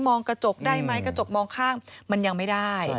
กระจกได้ไหมกระจกมองข้างมันยังไม่ได้